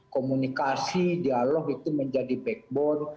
komunikasi dialog itu menjadi backbone